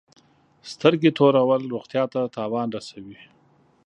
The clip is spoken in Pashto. سترګي تورول روغتیا ته تاوان رسوي.